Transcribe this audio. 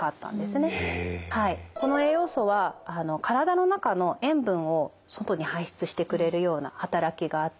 この栄養素は体の中の塩分を外に排出してくれるような働きがあったり。